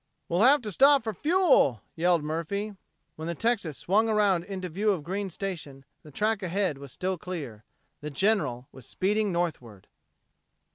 "We'll have to stop for fuel," yelled Murphy. When the Texas swung around into view of Green's Station the track ahead was still clear. The General was speeding northward.